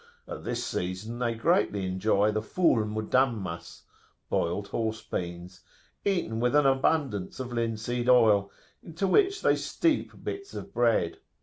At this season they greatly enjoy the 'ful mudammas' (boiled horse beans),[FN#36] eaten with an abundance of linseed oil, into which they steep bits of bread.